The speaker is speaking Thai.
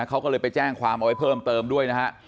เขาก็เลยไปแจ้งความเอาไว้เพิ่มเติมด้วยนะฮะ